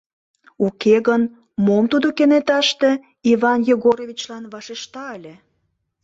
Уке гын, мом тудо кенеташте Иван Егоровичлан вашешта ыле?